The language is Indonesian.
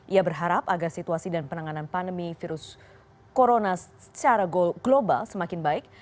ia berharap agar situasi dan penanganan pandemi virus corona secara global semakin baik